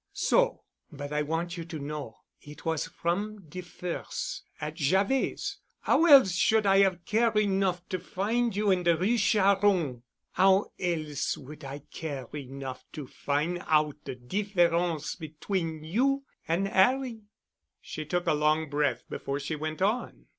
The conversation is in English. So. But I want you to know. It was from de firs'—at Javet's—'Ow else should I 'ave care' enough to go find you in de Rue Charron? 'Ow else would I care enough to fin' out de difference between you an' 'Arry?" She took a long breath before she went on.